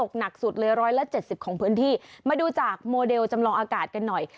หนักสุดเลยร้อยละเจ็ดสิบของพื้นที่มาดูจากโมเดลจำลองอากาศกันหน่อย